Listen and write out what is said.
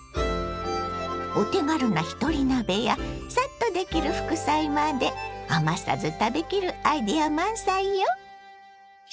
お手軽なひとり鍋やサッとできる副菜まで余さず食べきるアイデア満載よ。